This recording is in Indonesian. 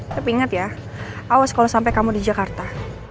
tapi ingat ya awas kalau sampai kamu di jakarta